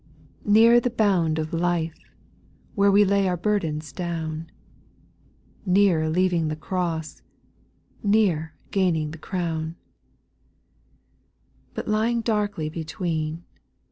8. Nearer the bound of life, Where we lay our burdens down ; Nearer leaving the cross ; Nearer gaining the crown. 4. But lying darkly between.